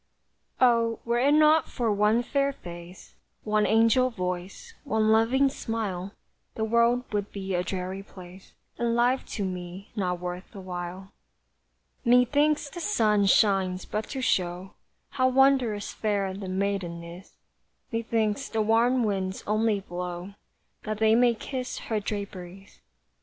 Oh, were it not for one fair face, One angel voice, one loving smile, The world would be a dreary place, And life to me not worth the while. Methinks the sun shines but to show How wondrous fair the maiden is; Methinks the warm winds only blow That they may kiss her draperies.